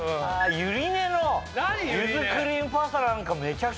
ゆり根の柚子クリームパスタなんか。